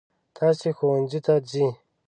تاسې ښوونځي ته ځئ.